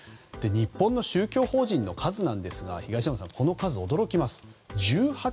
日本の宗教法人の数ですが東山さん、この数驚きます。